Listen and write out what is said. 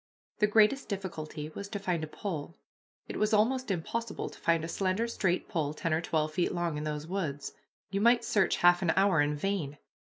The greatest difficulty was to find a pole. It was almost impossible to find a slender, straight pole ten or twelve feet long in those woods. You might search half an hour in vain.